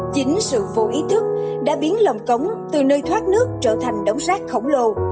chính sự vô ý thức đã biến lọc cổng từ nơi thoát nước trở thành đống rác khổng lồ